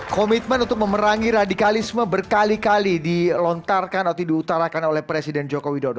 komitmen untuk memerangi radikalisme berkali kali dilontarkan atau diutarakan oleh presiden joko widodo